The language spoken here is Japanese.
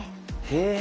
へえ。